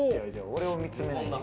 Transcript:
俺を見つめないで。